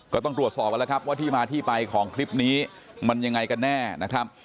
ก็ต้องตรวจสอบกันแล้วครับว่าที่มาที่ไปของคลิปนี้มันยังไงกันแน่นะครับ